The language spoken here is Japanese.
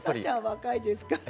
若いですから。